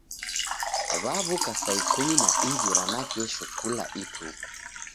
Waw'uka saa ikumi na iw'i ra nakesho kula ituku.